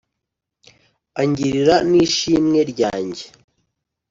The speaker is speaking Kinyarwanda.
angirira ni shimwe ryange